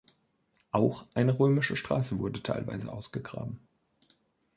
Auch eine römische Straße wurde teilweise ausgegraben.